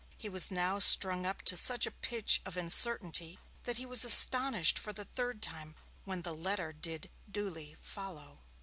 He was now strung up to such a pitch of uncertainty that he was astonished for the third time when the 'letter' did duly 'follow'.